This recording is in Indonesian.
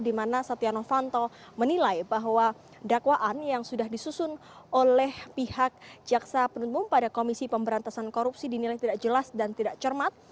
di mana setia novanto menilai bahwa dakwaan yang sudah disusun oleh pihak jaksa penuntung pada komisi pemberantasan korupsi dinilai tidak jelas dan tidak cermat